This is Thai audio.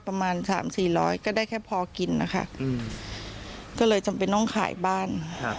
ประมาณสามสี่ร้อยก็ได้แค่พอกินนะคะก็เลยจำเป็นต้องขายบ้าน